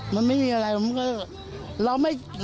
มันไม่มีอะไรเรามันก็